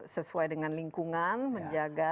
sesuai dengan lingkungan menjaga